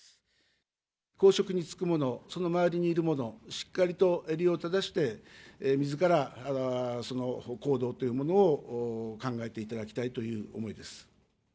公職に就く者、その周りにいる者、しっかりと襟を正して、みずからその行動というものを考えていただきたいという思いです。